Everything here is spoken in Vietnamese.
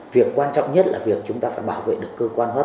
việc quan trọng nhất là việc chúng ta phải bảo vệ được cơ quan hóa